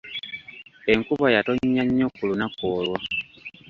Enkuba yatonnya nnyo ku lunaku olwo.